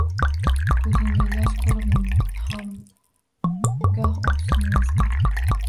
Ko’zingda yosh ko’rib ham goh o’kinmaslar